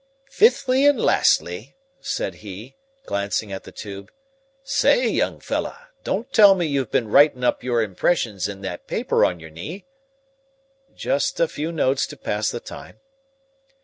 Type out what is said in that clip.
"Fifthly and lastly," said he, glancing at the tube. "Say, young fellah, don't tell me you've been writin' up your impressions in that paper on your knee." "Just a few notes to pass the time."